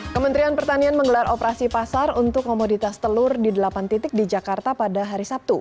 kementerian pertanian menggelar operasi pasar untuk komoditas telur di delapan titik di jakarta pada hari sabtu